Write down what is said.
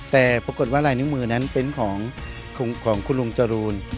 แต่ปรากฏว่าลายนิ้วมือนั้นเป็นของคุณลุงจรูน